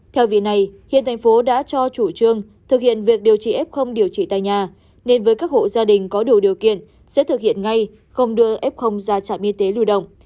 theo vì này hiện thành phố đã cho chủ trương thực hiện việc điều trị f điều trị tại nhà nên với các hộ gia đình có đủ điều kiện sẽ thực hiện ngay không đưa f ra trạm y tế lưu động